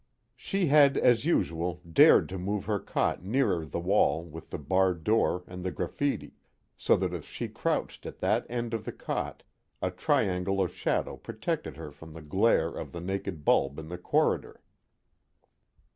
_ She had, as usual, dared to move her cot nearer the wall with the barred door and the graffiti, so that if she crouched at that end of the cot a triangle of shadow protected her from the glare of the naked bulb in the corridor.